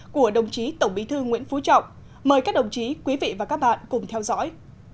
của đồng chí tổng bí thư nguyễn phú trọng mời các đồng chí quý vị và các bạn cùng theo dõi